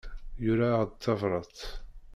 Yura-aɣ-d tabrat.